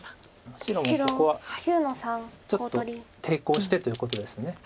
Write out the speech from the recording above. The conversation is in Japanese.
白もここはちょっと抵抗してということです。